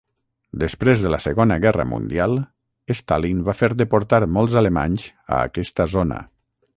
Després de la Segona Guerra Mundial, Stalin va fer deportar molts alemanys a aquesta zona.